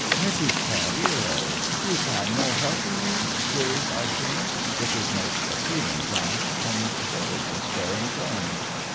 " Messee Careero, you no can helpee me ?" queries ^ Ah Cheong, with his most appealing glance, and very despairing tone.